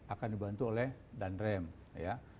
akan dibantu oleh danrem ya